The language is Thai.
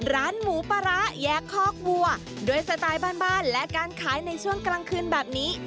ร้านหมูปลาร้าแยกคอกวัวด้วยสไตล์บ้านบ้านและการขายในช่วงกลางคืนแบบนี้